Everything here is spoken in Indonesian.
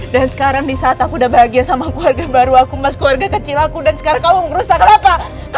dan sekarang disaat aku udah bahagia sama keluarga baru aku mas keluarga kecil aku dan sekarang kamu ngerusak kenapa kamu gak bahagia